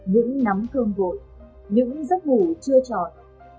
những nắm cơm vội những giấc ngủ chưa tròn